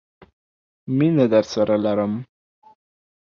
مینه درسره لرم!